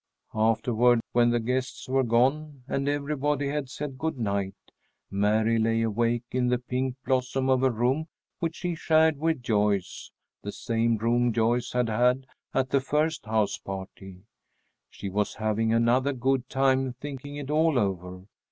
Afterward, when the guests were gone and everybody had said good night, Mary lay awake in the pink blossom of a room which she shared with Joyce, the same room Joyce had had at the first house party. She was having another good time, thinking it all over.